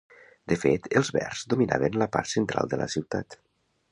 De fet, els Verds dominaven la part central de la ciutat.